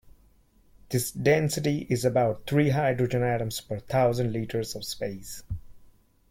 This density is about three hydrogen atoms per thousand liters of space.